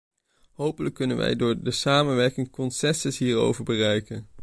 Hopelijk kunnen wij door samenwerking consensus hierover bereiken.